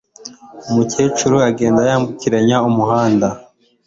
Umukecuru agenda yambukiranya umuhanda.